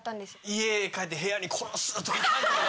家帰って部屋に「殺す」とか書いたり。